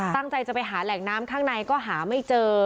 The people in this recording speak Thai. ตั้งใจจะไปหาแหล่งน้ำข้างในก็หาไม่เจอ